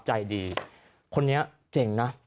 ใจดีคนนี้เจ๋งนะ